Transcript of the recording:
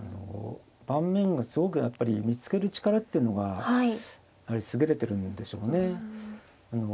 盤面がすごくやっぱり見つける力っていうのがやはり優れてるんでしょうね。